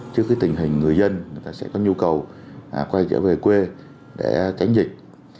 trước tình hình người dân sẽ có nhu cầu quay trở về quê để tránh dịch